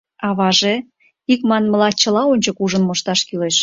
Аваже, ик манмыла, чыла ончык ужын мошташ кӱлеш.